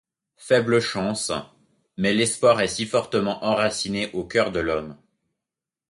Faible chance ! mais l’espoir est si fortement enraciné au cœur de l’homme !